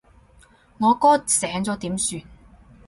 我哥醒咗點算？